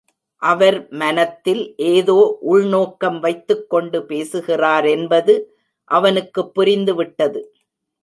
அவர் மனத்தில் ஏதோ உள்நோக்கம் வைத்துக் கொண்டு பேசுகிறாரென்பது அவனுக்குப் புரிந்துவிட்டது.